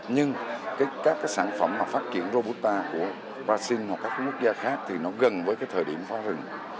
nhưng các sản phẩm phát triển rô bút ta của brazil hoặc các quốc gia khác thì nó gần với thời điểm phá rừng